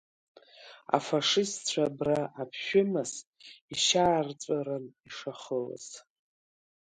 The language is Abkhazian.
Афашистцәа абра аԥшәымас, Ишьаарҵәыран ишахылаз…